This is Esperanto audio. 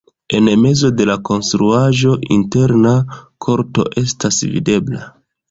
En mezo de la konstruaĵo interna korto estas videbla.